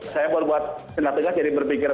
saya buat buat tindak tegas jadi berpikir